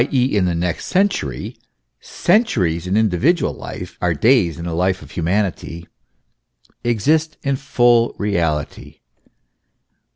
e., in the next century, centuries in individual life are days in the life of humanity, exist in full reality.